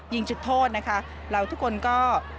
ยิงจุดโทษนะคะเราทุกคนก็